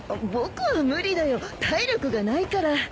僕は無理だよ体力がないから。